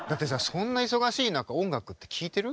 そんな忙しい中音楽って聴いてる？